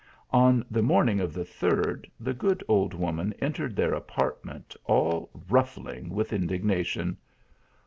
On the morning of the third, the good old woman entered their apartment all ruffling with indignation.